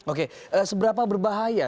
oke seberapa berbahaya